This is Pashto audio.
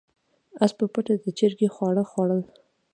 اس په پټه د چرګې خواړه خوړل.